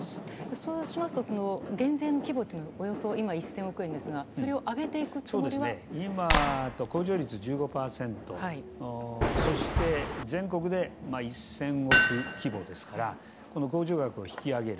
そうしますと、減税の規模はおよそ今、１０００億円ですが今、控除額が１５％そして、全国で１０００億規模ですからこの控除額を引き上げる。